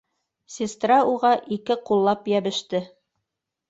- Сестра уға ике ҡуллап йәбеште.